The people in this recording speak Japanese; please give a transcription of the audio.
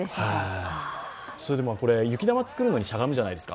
それで雪玉作るのにしゃがむじゃないですか。